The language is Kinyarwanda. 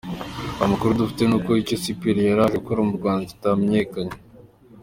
Amakuru dufite nuko icyo Cpl Oswald yari yaje gukora mu Rwanda kitamenyekanye.